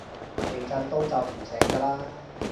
地震都震唔醒㗎喇